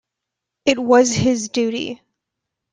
It was his duty.